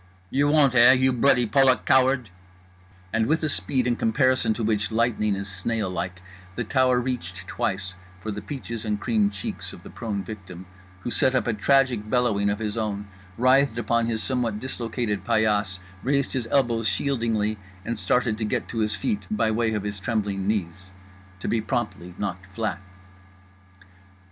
"You won't eh? You bloody Polak coward!" and with a speed in comparison to which lightning is snail like the tower reached twice for the peaches and cream cheeks of the prone victim; who set up a tragic bellowing of his own, writhed upon his somewhat dislocated paillasse, raised his elbows shieldingly, and started to get to his feet by way of his trembling knees—to be promptly knocked flat.